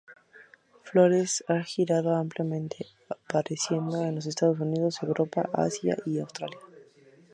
Flores ha girado ampliamente, apareciendo en los Estados Unidos, Europa, Asia y Australia.